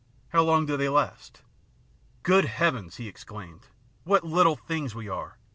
How long do they last ?"" Good heavens !" he exclaimed ;" what little things we are